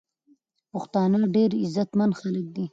پښتانه ډیر عزت مند خلک دی.